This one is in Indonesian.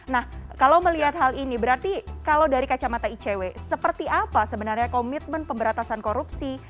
nah kalau melihat hal ini berarti kalau dari kacamata icw seperti apa sebenarnya komitmen pemberantasan korupsi